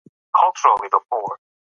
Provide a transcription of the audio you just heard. د دلارام په شېله کي تېر کال سېلاب راغلی و